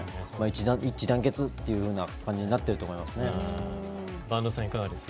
一致団結という感じになっていると思います。